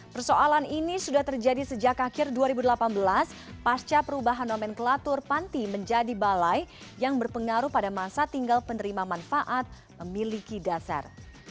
persoalan ini sudah terjadi sejak akhir dua ribu delapan belas pasca perubahan nomenklatur panti menjadi balai yang berpengaruh pada masa tinggal penerima manfaat memiliki dasar